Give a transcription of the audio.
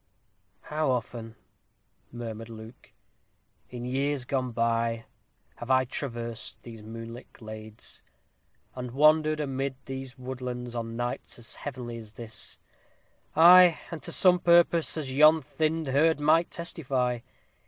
"How often," murmured Luke, "in years gone by, have I traversed these moonlit glades, and wandered amidst these woodlands, on nights heavenly as this ay, and to some purpose, as yon thinned herd might testify!